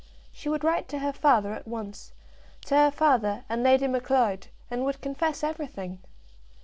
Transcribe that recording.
She would write to her father at once, to her father and Lady Macleod, and would confess everything.